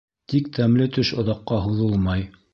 Тик тәмле төш оҙаҡҡа һуҙылмай.